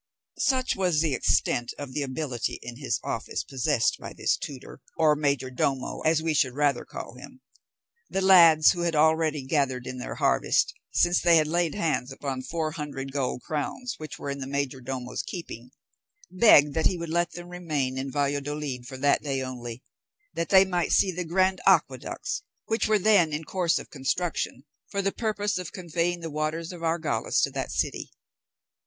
Such was the extent of the ability in his office possessed by this tutor, or major domo, as we should rather call him. The lads, who had already gathered in their harvest, since they had laid hands upon four hundred gold crowns which were in the major domo's keeping, begged that he would let them remain in Valladolid for that day only, that they might see the grand aqueducts, which were then in course of construction, for the purpose of conveying the waters of Argales to that city.